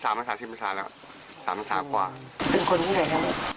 สามศาสิบศาแล้วสามศากว่าเป็นคนที่ไหนครับ